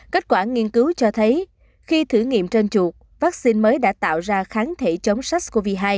kết quả nghiên cứu cho thấy khi thử nghiệm trên chuột vaccine mới đã tạo ra kháng thể chống sars cov hai